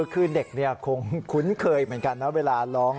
คือเด็กคงคุ้นเคยเหมือนกันนะเวลาร้อง